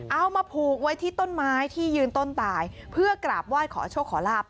เอามาผูกไว้ที่ต้นไม้ที่ยืนต้นตายเพื่อกราบไหว้ขอโชคขอลาบ